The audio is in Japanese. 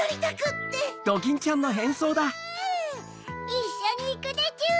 いっしょにいくでちゅ。